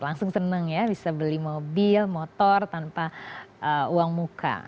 langsung seneng ya bisa beli mobil motor tanpa uang muka